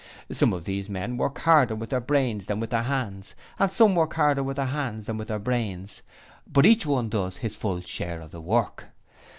Some of these men work harder with their brains than with their hands and some work harder with their hands than with their brains, BUT EACH ONE DOES HIS FULL SHARE OF THE WORK.